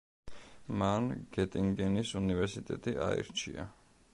მან გეტინგენის უნივერსიტეტი აირჩია.